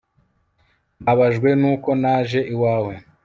mbabajwe nuko naje iwawe